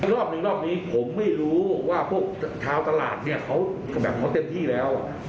รอบหนึ่งรอบนี้ผมไม่รู้ว่าพวกชาวตลาดเนี่ยเขาแบบเขาเต็มที่แล้ว